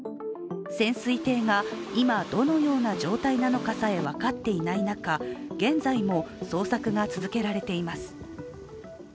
潜水艇が、今どのような状態なのかさえ分かっていない中、現在も、捜索が続けられています。